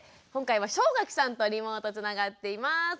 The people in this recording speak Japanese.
今回は正垣さんとリモートつながっています。